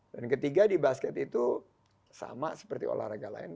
dan ketiga di basket itu sama seperti olahraga lain